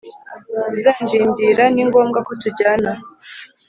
Uzandindira ni ngombwa ko tujyana